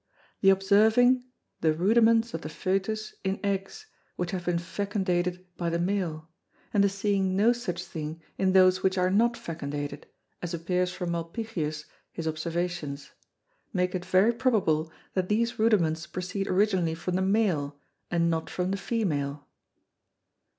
The observing the Rudiments of the Fœtus in Eggs, which have been fecundated by the Male, and the seeing no such thing in those which are not fecundated, as appears from Malpighius his Observations, make it very probable that these Rudiments proceed originally from the Male, and not from the Female.